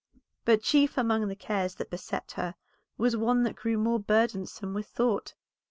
But chief among the cares that beset her was one that grew more burdensome with thought.